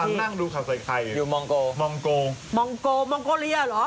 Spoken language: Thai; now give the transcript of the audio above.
กำลังนั่งดูขับใส่ใครอยู่มองโกมองโกมองโกเรียหรอมองโกมองโกเรียหรอ